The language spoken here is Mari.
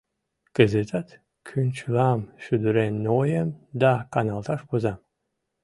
Кызытат кӱнчылам шӱдырен ноем да каналташ возам...